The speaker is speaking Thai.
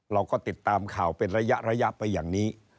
เราก็ติดตามข่าวเป็นระยะไปอย่างนี้